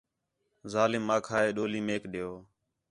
ظالم آکھا ہے ڈولی میک ݙیؤ